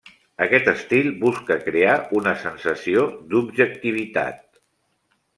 Aquest estil busca crear una sensació d'objectivitat.